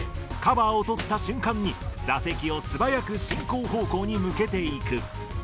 カバーを取った瞬間に、座席を素早く進行方向に向けていく。